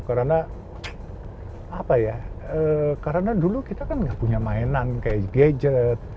karena dulu kita kan nggak punya mainan kayak gadget